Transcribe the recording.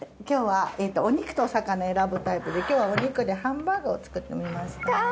今日はお肉とお魚選ぶタイプで今日はお肉でハンバーグを作ってみました。